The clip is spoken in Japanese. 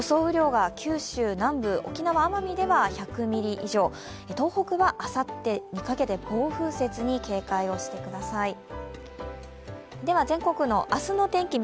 雨量が九州南部、沖縄・奄美では１００ミリ以上東北はあさってにかけて暴風雪に警戒をしてください。